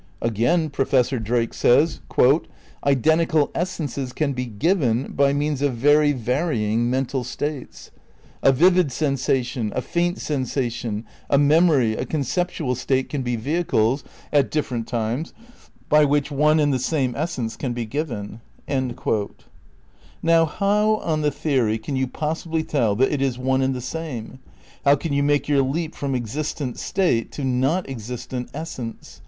Again, Professor Drake says: "Identical essences can be 'given' by means of very varying mental states. A vivid sensation, a faint sensation, a memory, a conceptual state can be vehicles, at different times, by which one and the same essence can be 'given'."' Now, how, on the theory, can you possibly tell that it is one and the same? How can you make your leap from existent state, to not existent essence?